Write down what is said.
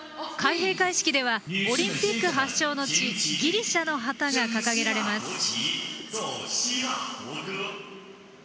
開閉会式ではオリンピック発祥の地ギリシャの旗が掲げられます。